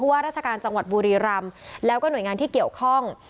ว่าราชการจังหวัดบุรีรำแล้วก็หน่วยงานที่เกี่ยวข้อง